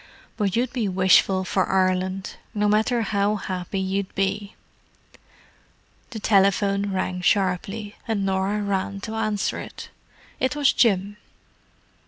But you'd be wishful for Ireland, no matter how happy you'd be." The telephone bell rang sharply, and Norah ran to answer it. It was Jim.